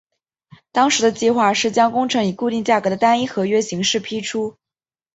当时的计划是将工程以固定价格的单一合约形式批出。